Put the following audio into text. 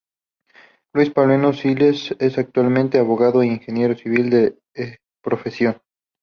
Luis Paulino Siles, es actualmente abogado e ingeniero civil de profesión.